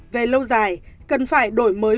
về lâu dài cần phải đổi mới